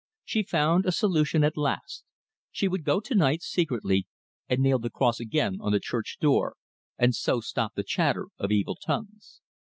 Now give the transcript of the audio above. She found a solution at last. She would go to night secretly and nail the cross again on the church door, and so stop the chatter of evil tongues.